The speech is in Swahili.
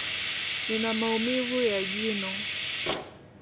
Nina maumivu ya jino